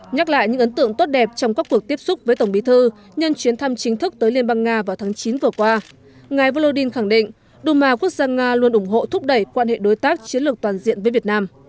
nhắc lại những ấn tượng tốt đẹp trong các cuộc tiếp xúc với tổng bí thư nhân chuyến thăm chính thức tới liên bang nga vào tháng chín vừa qua ngài volodin khẳng định duma quốc gia nga luôn ủng hộ thúc đẩy quan hệ đối tác chiến lược toàn diện với việt nam